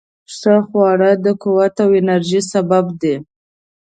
صحي خواړه د قوت او انرژۍ سبب دي.